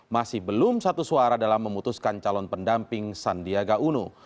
masih belum satu suara dalam memutuskan calon pendamping sandiaga uno